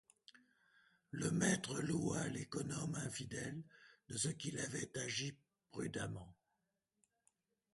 Le maître loua l'économe infidèle de ce qu'il avait agi prudemment.